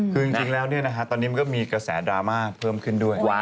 คือจริงแล้วตอนนี้มันก็มีกระแสดราม่าเพิ่มขึ้นด้วย